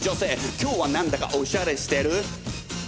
今日は何だかおしゃれしてる！